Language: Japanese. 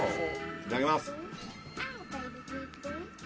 いただきます。